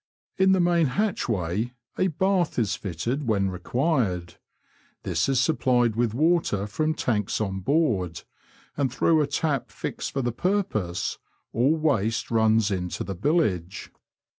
In the main hatchway a bath is fitted when required. This is supplied with water from tanks on board, and through a tap fixed for the purpose, all waste runs into the billage.